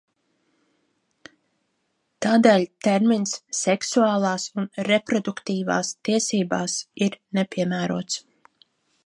"Tādēļ termins "seksuālās un reproduktīvās tiesībās" ir nepiemērots."